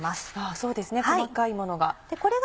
そうですね細かいものが。